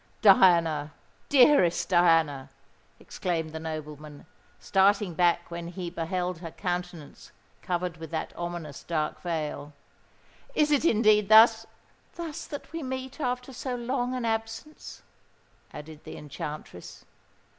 "Diana—dearest Diana!" exclaimed the nobleman, starting back when he beheld her countenance covered with that ominous dark veil: "is it indeed thus——" "Thus that we meet after so long an absence?" added the Enchantress.